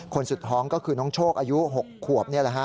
สุดท้องก็คือน้องโชคอายุ๖ขวบ